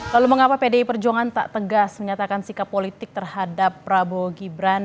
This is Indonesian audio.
lalu mengapa pdi perjuangan tak tegas menyatakan sikap politik terhadap prabowo gibran